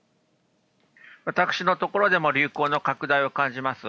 私の所でも流行の拡大を感じます。